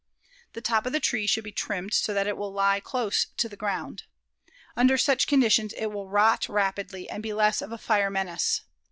The top of the tree should be trimmed so that it will lie close to the ground. Under such conditions it will rot rapidly and be less of a fire menace.